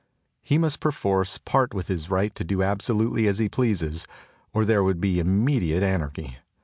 He must perforce part with his right to do absolutely as 8 THE TOCSIN OF REVOLT he pleases, or there would be immediate anarchy.